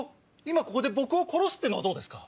今ここで僕を殺すのはどうですか？